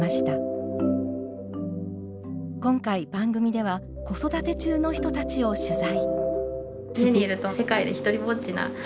今回番組では子育て中の人たちを取材。